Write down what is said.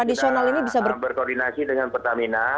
ya makanya hari ini kami sudah berkoordinasi dengan pertamina